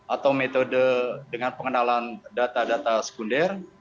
atau metode dengan pengenalan data data sekunder